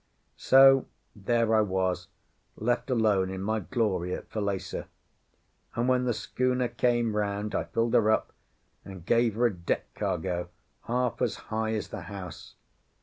So there was I, left alone in my glory at Falesá; and when the schooner came round I filled her up, and gave her a deck cargo half as high as the house.